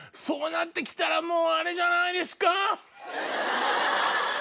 そうなって来たらもうあれじゃないですか！